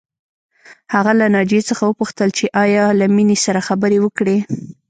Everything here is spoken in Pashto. هغه له ناجیې څخه وپوښتل چې ایا له مينې سره خبرې وکړې